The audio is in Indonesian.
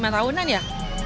lima tahunan ya